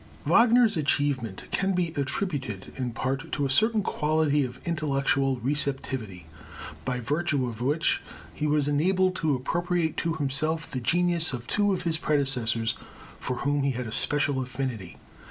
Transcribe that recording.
Wagner's achievement can be attributed, in part, to a certain quality of intellectual receptivity, by virtue of which he was enabled to appropriate to himself the genius of two of his predecessors for whom he had a special affinity.